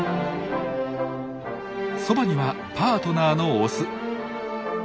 そばにはパートナーのオス。